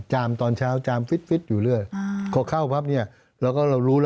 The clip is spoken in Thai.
จามตอนเช้าจามฟิสอยู่เลยเพราะเข้าปั๊บนี่แล้วก็เรารู้